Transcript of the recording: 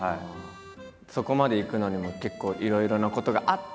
そこまでいくのにも結構いろいろなことがあって？